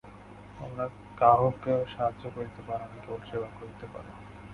তোমরা কাহাকেও সাহায্য করিতে পার না, কেবল সেবা করিতে পার।